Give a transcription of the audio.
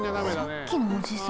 さっきのおじさん。